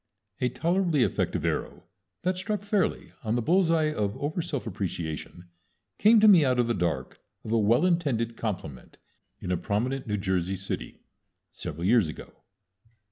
"] A tolerably effective arrow that struck fairly on the bullseye of over self appreciation came to me out of the dark, of a well intended compliment in a prominent New Jersey city several years ago.